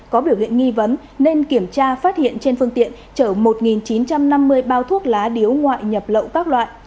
có biểu hiện nghi vấn nên kiểm tra phát hiện trên phương tiện chở một chín trăm năm mươi bao thuốc lá điếu ngoại nhập lậu các loại